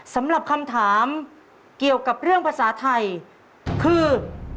สำหรับคำถามเกี่ยวกับเรื่องภาษาไทยคือ